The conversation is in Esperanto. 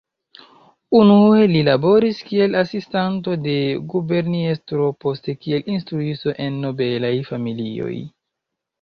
Unue li laboris kiel asistanto de guberniestro, poste kiel instruisto en nobelaj familioj.